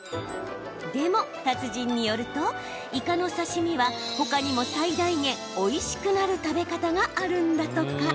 でも達人によるといかの刺身は他にも最大限おいしくなる食べ方があるんだとか。